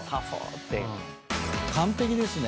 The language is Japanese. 完璧ですね。